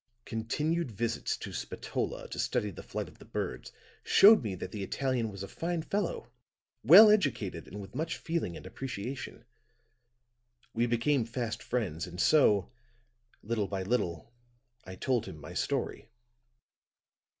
Continued visits to Spatola to study the flight of the birds, showed me that the Italian was a fine fellow, well educated and with much feeling and appreciation. We became fast friends and so, little by little, I told him my story."